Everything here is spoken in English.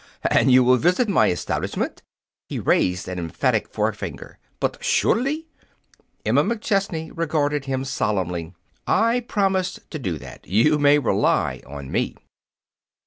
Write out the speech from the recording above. And you will visit my establishment?" He raised an emphatic forefinger. "But surely!" Emma McChesney regarded him solemnly. "I promise to do that. You may rely on me."